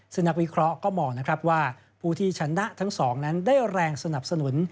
ซึ่งนักวิเคราะห์ก็มองนะครับว่าผู้ที่ชนะทั้งสองนั้นได้แรงสนับสนุน